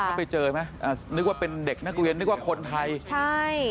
แล้วไปเจอไหมอ่านึกว่าเป็นเด็กนักเรียนนึกว่าคนไทยใช่